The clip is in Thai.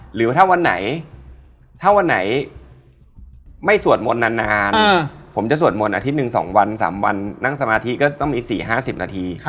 หรือถ้าวันไหนถ้าวันไหนไม่สวดมนต์นานผมจะสวดมนต์อาทิตย์หนึ่ง๒วัน๓วันนั่งสมาธิก็ต้องมี๔๕๐นาที